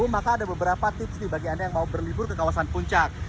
maka ada beberapa tips nih bagi anda yang mau berlibur ke kawasan puncak